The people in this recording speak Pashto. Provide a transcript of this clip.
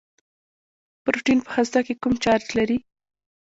پروټون په هسته کې کوم چارچ لري.